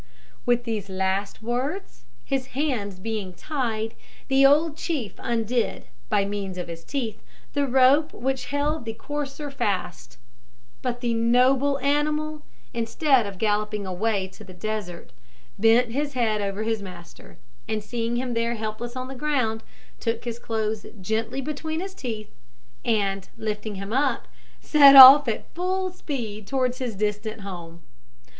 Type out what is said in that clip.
With these words, his hands being tied, the old chief undid, by means of his teeth, the rope which held the courser fast; but the noble animal, instead of galloping away to the desert, bent his head over his master, and seeing him helpless on the ground, took his clothes gently between his teeth, and, lifting him up, set off at full speed towards his distant home.